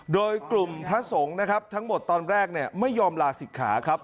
โดยกลุ่มพระสงฆ์นะครับทั้งหมดตอนแรกไม่ยอมลาศิกขาครับ